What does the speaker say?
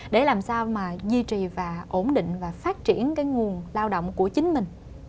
để làm sao mà duy trì và ổn định và phát triển cái nguồn lao động của chính mình